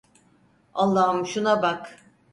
Allahım, şuna bak.